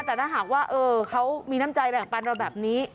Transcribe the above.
แต่ถ้าหากว่าเขามีน้ำใจแบ่งปันเราแบบนี้